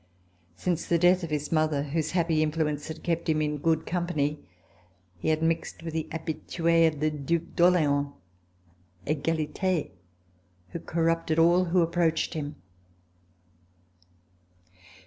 Since the death of his mother, whose happy influence had kept him in good company, he had mixed with the habitues of the Due d'Orleans {Egalite), who corrupted all who approached him.